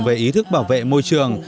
về ý thức bảo vệ môi trường